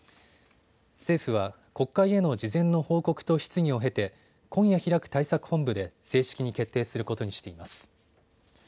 政府は国会への事前の報告と質疑を経て今夜開く対策本部で正式に決定することにしています。